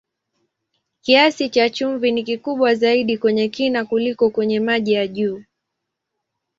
Kiasi cha chumvi ni kikubwa zaidi kwenye kina kuliko kwenye maji ya juu.